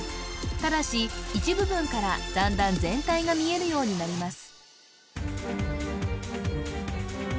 ただし一部分から段々全体が見えるようになります